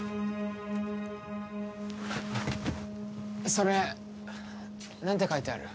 それ何て書いてある？